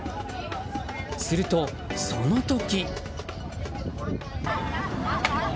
すると、その時。